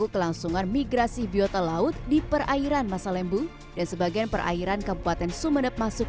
kelangsungan migrasi biota laut di perairan masa lembu dan sebagian perairan kabupaten sumeneb masuk